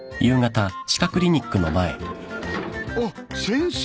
あっ先生。